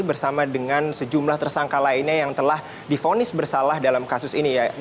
bersama dengan sejumlah tersangka lainnya yang telah difonis bersalah dalam kasus ini ya